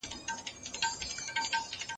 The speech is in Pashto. که کانونه راوباسو نو بودیجه نه تشیږي.